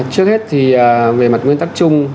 trước hết thì về mặt nguyên tắc chung